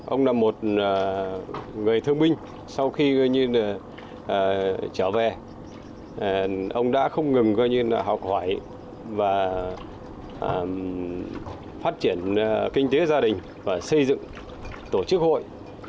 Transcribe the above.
ông là một người thương binh sau khi trở về ông đã không ngừng học hỏi và phát triển kinh tế gia đình và xây dựng tổ chức hội